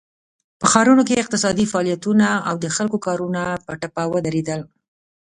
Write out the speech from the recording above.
په ښارونو کې اقتصادي فعالیتونه او د خلکو کارونه په ټپه ودرېدل.